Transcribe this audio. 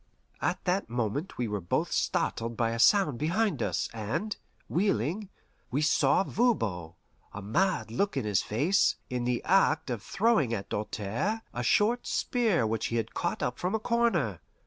At that moment we were both startled by a sound behind us, and, wheeling, we saw Voban, a mad look in his face, in the act of throwing at Doltaire a short spear which he had caught up from a corner.